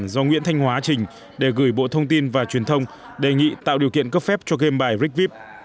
do nguyễn thanh hóa trình để gửi bộ thông tin và truyền thông đề nghị tạo điều kiện cấp phép cho game bài rigvip